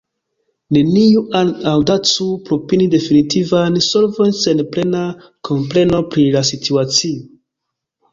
Neniu aŭdacu proponi definitivan solvon sen plena kompreno pri la situacio.